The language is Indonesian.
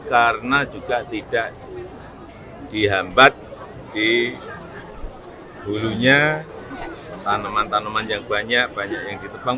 karena juga tidak dihambat di bulunya tanaman tanaman yang banyak banyak yang ditebang